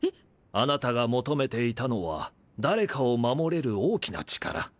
あなたが求めていたのは誰かを守れる大きな力。